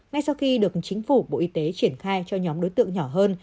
ngay sau khi được chính phủ bộ y tế triển khai cho nhóm đối tượng nhỏ hơn